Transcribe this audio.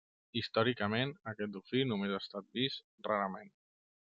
Històricament, aquest dofí només ha estat vist rarament.